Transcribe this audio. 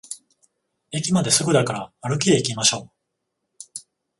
駅まですぐだから歩きでいきましょう